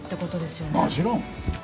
もちろん。